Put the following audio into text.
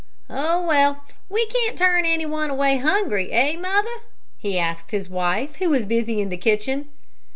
"Oh, well, we can't turn anyone away hungry; eh, Mother?" he asked his wife, who was busy in the kitchen.